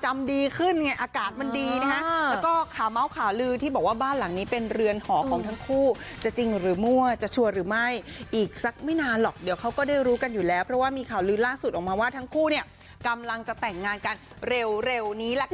หรือไม่อีกสักไม่นานหรอกเดี๋ยวเขาก็ได้รู้กันอยู่แล้วเพราะว่ามีข่าวลืนล่าสุดออกมาว่าทั้งคู่เนี่ยกำลังจะแต่งงานกันเร็วเร็วนี้แหละค่ะ